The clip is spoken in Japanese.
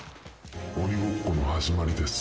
鬼ごっこの始まりです。